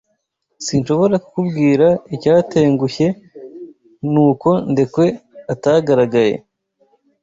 Sinshobora kukubwira icyatengushye nuko Ndekwe atagaragaye.